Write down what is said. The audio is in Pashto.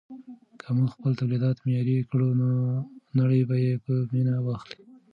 که موږ خپل تولیدات معیاري کړو نو نړۍ به یې په مینه واخلي.